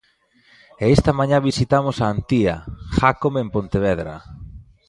E esta mañá visitamos a Antía Jácome en Pontevedra.